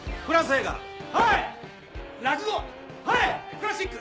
「クラシック」。